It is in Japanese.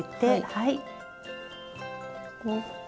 はい。